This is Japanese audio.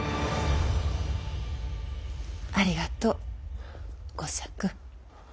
ありがとう吾作。